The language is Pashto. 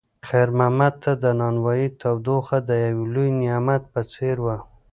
خیر محمد ته د نانوایۍ تودوخه د یو لوی نعمت په څېر وه.